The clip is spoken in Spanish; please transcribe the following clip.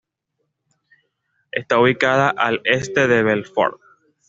Está ubicada a al este de Belfort.